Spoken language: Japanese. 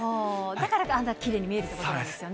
だからあんなきれいに見えるということですよね。